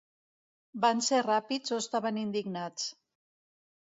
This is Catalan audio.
Van ser ràpids o estaven indignats?